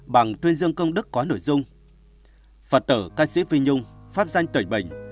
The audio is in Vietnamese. bằng tuyên dương công đức có nội dung phật tử ca sĩ phi nhung pháp danh tuệnh bình